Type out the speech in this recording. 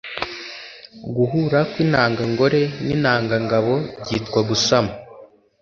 guhura kw'intangangore n'intangangabo byitwa gusama